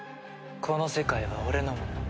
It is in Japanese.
この世界は俺のもの。